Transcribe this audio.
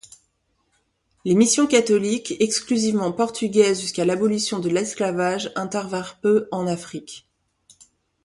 Les missions catholiques, exclusivement portugaises jusqu'à l'abolition de l'esclavage intervinrent peu en Afrique.